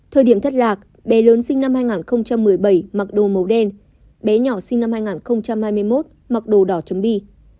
thời điểm thất lạc bé lớn sinh năm hai nghìn một mươi bảy mặc đồ màu đen bé nhỏ sinh năm hai nghìn hai mươi một mặc đồ đỏ chấm bi